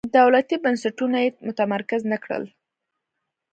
دولتي بنسټونه یې متمرکز نه کړل.